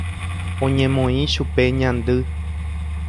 Oñemoĩ chupe ñandy.